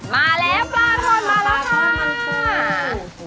มาแล้วปลาทอนมาแล้วจ้า